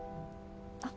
あっ。